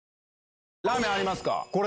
ラーメンありますか？